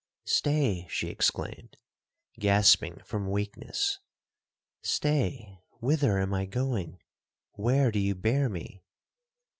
'Stay!' she exclaimed, gasping from weakness, 'stay!—whither am I going?—where do you bear me?'